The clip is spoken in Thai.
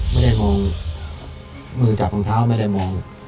ไม่ได้มองมือจับรองเท้าไม่ได้มอง